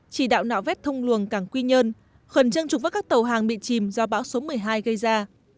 chỉ đạo nạo vét thông luồng cảng quy nhơn khẩn trân trục với các tàu hàng bị chìm do bão số một mươi hai gây ra